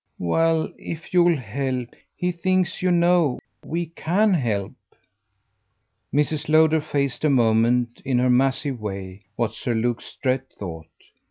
"Well if you'll help. He thinks, you know, we CAN help." Mrs. Lowder faced a moment, in her massive way, what Sir Luke Strett thought.